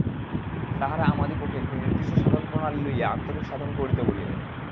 তাঁহারা আমাদিগকে একটি নির্দিষ্ট সাধনপ্রণালী লইয়া আন্তরিক সাধন করিতে বলেন।